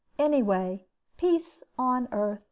"Anyway, peace on Earth."